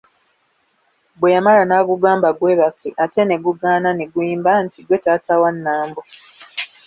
Bweyamala n'agugamba gwebake, ate ne gugaana ne guyimba nti, "gwe taata wa Nambo"